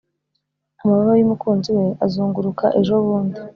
amababa yumukunzi we azunguruka ejo bundi,